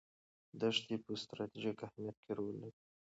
دښتې په ستراتیژیک اهمیت کې رول لري.